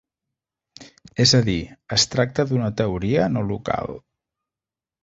És a dir, es tracta d'una teoria no local.